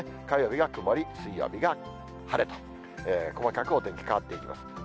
火曜日が曇り、水曜日が晴れと、細かくお天気変わっていきます。